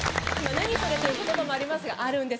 何それという言葉もありますがあるんです